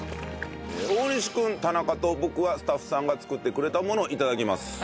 大西君田中と僕はスタッフさんが作ってくれたものを頂きます。